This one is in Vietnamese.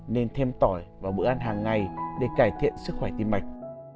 nên thêm tỏi vào bữa ăn hàng ngày để cải thiện sức khỏe tim mạch